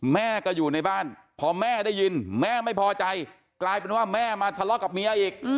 แม่ก็อยู่ในบ้านพอแม่ได้ยินแม่ไม่พอใจกลายเป็นว่าแม่มาทะเลาะกับเมียอีก